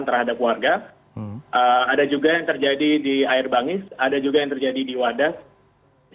terhadap warga ada juga yang terjadi di air bangis ada juga yang terjadi di wadah